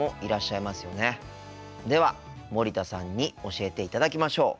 では森田さんに教えていただきましょう。